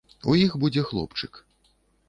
У іх будзе хлопчык.